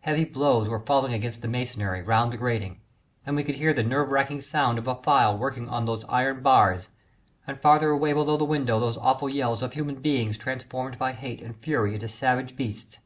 Heavy blows were falling against the masonry round the grating, and we could hear the nerve racking sound of a file working on the iron bars, and farther away below the window those awful yells of human beings transformed by hate and fury into savage beasts.